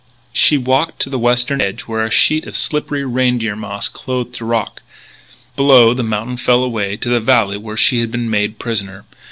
She walked to the western edge where a sheet of slippery reindeer moss clothed the rock. Below the mountain fell away to the valley where she had been made prisoner.